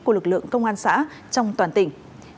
của lực lượng công an xã trong toàn tỉnh